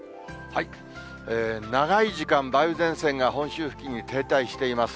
長い時間、梅雨前線が本州付近に停滞しています。